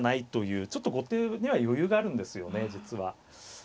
ちょっと後手には余裕があるんですよね実は。